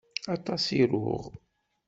Aṭas i ruɣ.